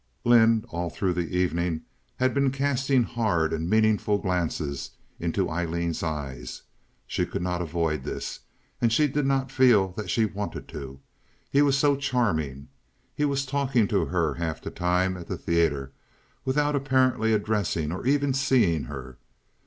Lynde all through the evening had been casting hard, meaning glances into Aileen's eyes. She could not avoid this, and she did not feel that she wanted to. He was so charming. He was talking to her half the time at the theater, without apparently addressing or even seeing her.